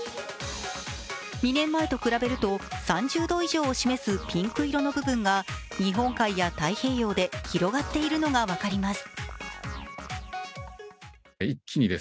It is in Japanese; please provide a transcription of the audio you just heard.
２年前と比べると３０度以上を示すピンク色の部分が日本海や太平洋で広がっているのが分かります